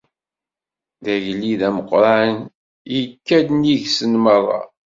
D agellid ameqqran ikka-d nnig-sen merra.